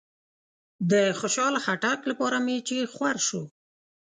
د خوشحال خټک لپاره چې می خور شو